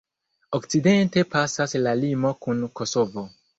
Okcidente pasas la limo kun Kosovo.